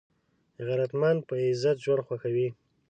غیرتمند په عزت ژوند خوښوي